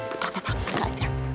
gak apa apa minta aja